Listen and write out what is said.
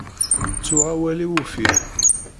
Ttuɣ awal-iw uffir.